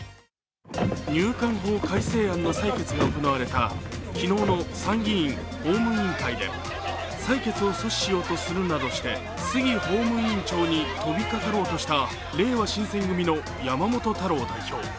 入管法改正案の採決が行われた昨日の参議院法務委員会で採決を阻止しようとするなどとして杉法務委員長に飛びかかろうとしたれいわ新選組の山本太郎代表。